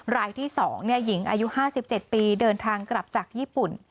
รายที่๒หญิงอายุ๕๗ปีเดินทางกลับจากญี่ปุ่น